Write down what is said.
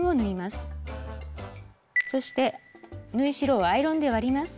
そして縫い代をアイロンで割ります。